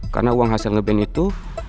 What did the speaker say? karena uang hasil ngeband itu